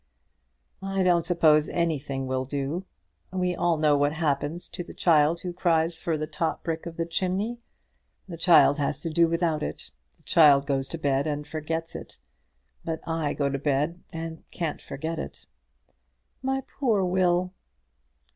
"I don't suppose anything will do. We all know what happens to the child who cries for the top brick of the chimney. The child has to do without it. The child goes to bed and forgets it; but I go to bed, and can't forget it." "My poor Will!"